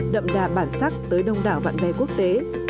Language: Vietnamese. đậm đà bản sắc tới đông đảo bạn bè quốc tế